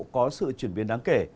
có sự chuyển biến đáng kể